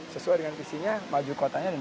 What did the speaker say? sesuai dengan visinya maju kotanya